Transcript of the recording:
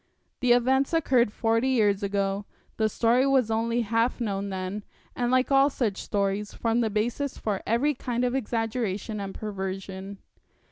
The events occurred forty years ago the story was only half known then, and like all such stories formed the basis for every kind of exaggeration and perversion.'